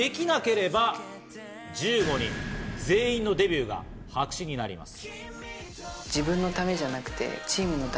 出来なければ、１５人全員のデビューが白紙になります。